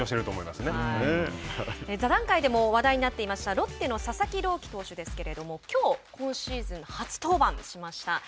座談会でも話題になっていたロッテの佐々木朗希投手がきょう今シーズン初登板しました。